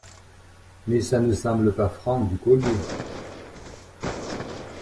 mais ça ne semble pas franc du collier